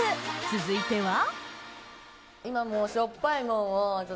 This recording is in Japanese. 続いては。